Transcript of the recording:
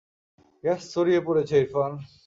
Gas ছড়িয়ে পড়েছে, ইরফান।